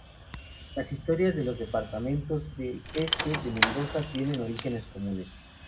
Las historias de los departamentos del este de Mendoza tienen orígenes comunes.